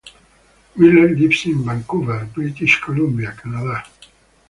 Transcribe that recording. Miller lives in Vancouver, British Columbia, Canada.